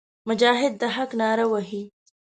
مجاهد د حق ناره وهي.